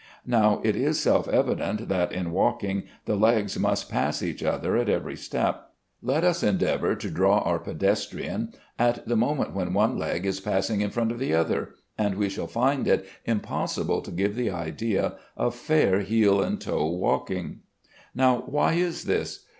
Now it is self evident that, in walking, the legs must pass each other at every step. Let us endeavor to draw our pedestrian at the moment when one leg is passing in front of the other, and we shall find it impossible to give the idea of fair heel and toe walking. Now, why is this?